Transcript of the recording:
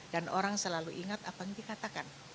dan orang selalu ingat apa yang dikatakan